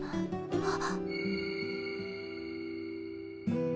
あっ。